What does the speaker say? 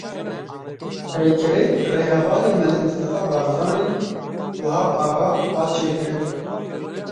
Peykerê rêhevalê Mele Mistefa Barzanî, Wehab Axa hat çêkirin.